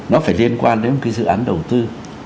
nó phải liên quan đến một cái dự án đầu tư